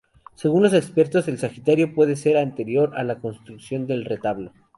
Según los expertos el sagrario puede ser anterior a la construcción del retablo.